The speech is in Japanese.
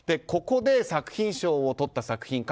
ここで作品賞をとった作品